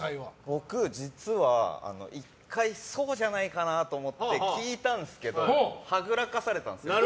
僕、実は１回そうじゃないかなと思って聞いたんですけどはぐらかされたんです。